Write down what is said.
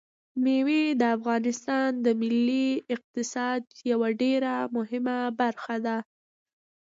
مېوې د افغانستان د ملي اقتصاد یوه ډېره مهمه برخه ده.